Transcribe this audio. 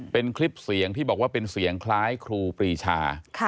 เป็นคลิปเสียงที่บอกว่าเป็นเสียงคล้ายครูปรีชา